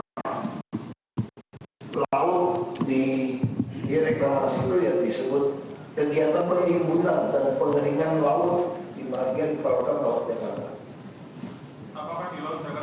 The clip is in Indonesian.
maka laut di reklamasi itu yang disebut kegiatan peninggungan dan pengeringan laut di bahagian barukan laut jakarta